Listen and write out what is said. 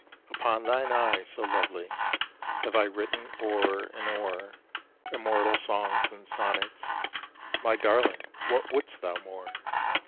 Upon thine eyes, so lovely, Have I written o'er and o'er Immortal songs and sonnets My darling, what wouldst thou more?